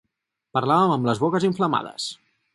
Parlàvem amb les boques inflamades.